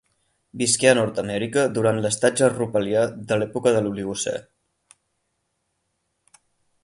Visqué a Nord-amèrica durant l'estatge Rupelià de l'època de l'Oligocè.